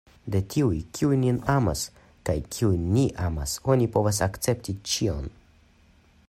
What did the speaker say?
De tiuj, kiuj nin amas kaj kiujn ni amas, oni povas akcepti ĉion.